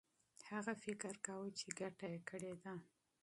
هغه فکر کاوه چي ګټه یې کړې ده.